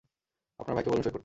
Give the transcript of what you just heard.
আপনার ভাইকে বলুন সঁই করতে।